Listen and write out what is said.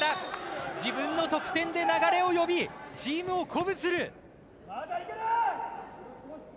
自分の得点で流れを呼びチームを鼓舞する。